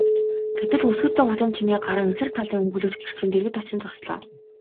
Гэтэл өсгийтэй гутлын чимээ гаран эсрэг талын өмгөөлөгч гэрчийн дэргэд очин зогслоо.